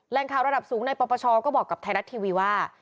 แรงข่าวระดับสูงในปปชก็บอกกับไทยรัฐทีวีว่า